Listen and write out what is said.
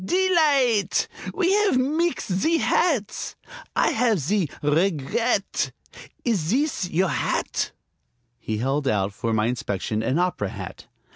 "Delight'! We have meexed zee hats, I have zee r r regret. Ees thees your hat?" He held out, for my inspection, an opera hat.